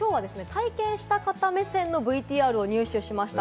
体験した方目線のＶＴＲを入手しました。